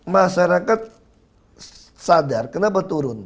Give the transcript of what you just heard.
masyarakat sadar kenapa turun